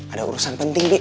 ada urusan penting be